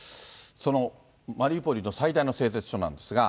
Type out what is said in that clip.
そのマリウポリの最大の製鉄所なんですが。